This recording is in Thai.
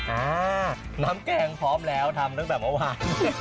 อ่าน้ำแกงพร้อมแล้วทำตั้งแต่เมื่อวาน